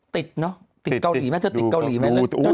ติดเนาะติดเกาหลีไหม